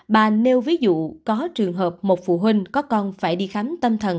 bà nêu ví dụ có trường hợp một phụ huynh có con phải đi khám tâm thần